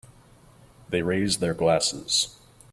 They raise their glasses.